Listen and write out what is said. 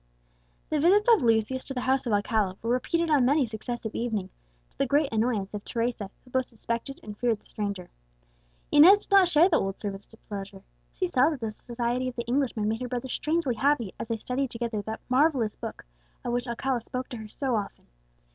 The visits of Lucius to the house of Alcala were repeated on many successive evenings, to the great annoyance of Teresa, who both suspected and feared the stranger. Inez did not share the old servant's displeasure. She saw that the society of the Englishman made her brother strangely happy, as they studied together that marvellous Book, of which Alcala spoke to her so often.